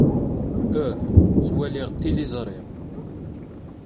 Eh, ttwaliɣ tiliẓri.